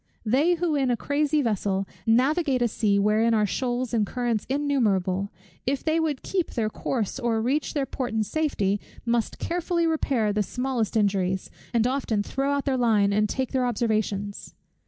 They who in a crazy vessel navigate a sea wherein are shoals and currents innumerable, if they would keep their course or reach their port in safety, must carefully repair the smallest injuries, and often throw out their line and take their observations.